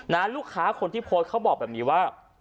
ลูกค้าคนที่โพสต์เขาบอกแบบนี้ว่า